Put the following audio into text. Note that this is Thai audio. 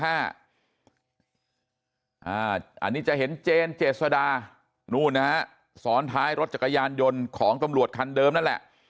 อันนี้จะเห็นเจนเจษดานู่นนะฮะซ้อนท้ายรถจักรยานยนต์ของตำรวจคันเดิมนั่นแหละ